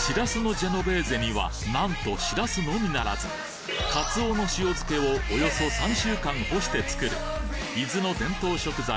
しらすのジェノベーゼにはなんとしらすのみならず鰹の塩漬けをおよそ３週間干して作る伊豆の伝統食材